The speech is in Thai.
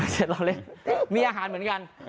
เสร็จเราเล่นมีอาหารเหมือนกัน